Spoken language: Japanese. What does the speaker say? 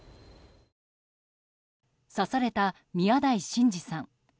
刺された宮台真司さん。